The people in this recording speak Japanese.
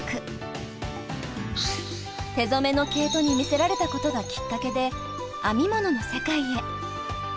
手染めの毛糸にみせられたことがきっかけで編み物の世界へ。